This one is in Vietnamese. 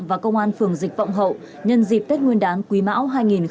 và công an phường dịch vọng hậu nhân dịp tết nguyên đáng quý mão hai nghìn hai mươi hai